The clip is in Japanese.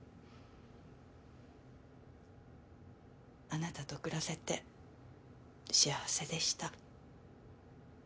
あなたと暮らせて幸せでした。